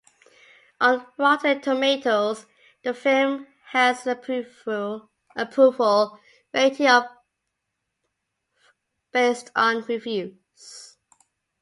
On Rotten Tomatoes the film has an approval rating of based on reviews.